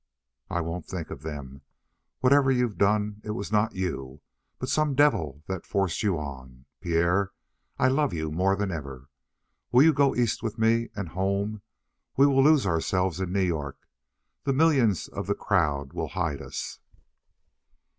"I won't think of them. Whatever you've done, it was not you, but some devil that forced you on. Pierre, I love you more than ever. Will you go East with me, and home? We will lose ourselves in New York. The millions of the crowd will hide us."